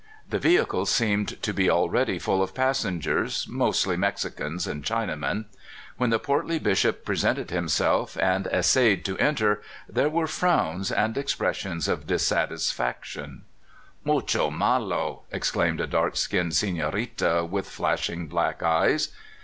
The vehicle seemed to be already full of passengers, mostly Mexicans and Chinamen. When the portly Bishop presented himself, and essayed to enter, there wxre frowns and expressions of dissatisfaction. 268 CALi:70RNIA SKETCHES. " Mucho malo !" exclaimed a dark skinned seTiorita with flashing black eyes.